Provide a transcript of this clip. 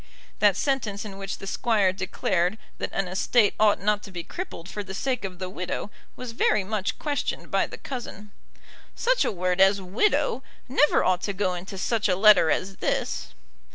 That sentence in which the Squire declared that an estate ought not to be crippled for the sake of the widow was very much questioned by the cousin. "Such a word as 'widow' never ought to go into such a letter as this."